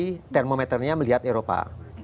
berarti termometernya melihat eropa